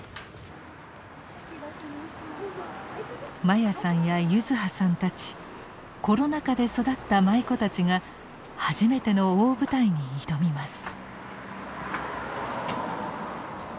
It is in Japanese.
真矢さんや柚子葉さんたちコロナ禍で育った舞妓たちが初めての大舞台に挑みます。